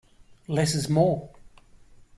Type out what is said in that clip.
Less is more.